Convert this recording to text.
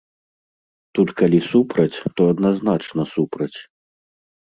Тут калі супраць, то адназначна супраць.